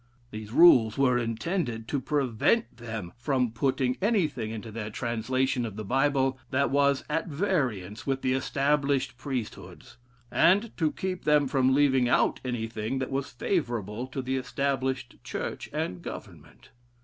These rules were intended to prevent them from putting anything into their translation of the Bible that was at variance with the established priesthoods, and to keep them from leaving out anything that was favorable to the Established Church and government.